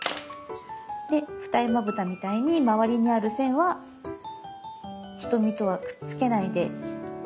で二重まぶたみたいにまわりにある線は瞳とはくっつけないで。